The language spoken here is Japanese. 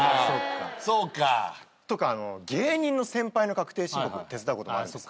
そうか。とかあの芸人の先輩の確定申告手伝うこともあるんですよ。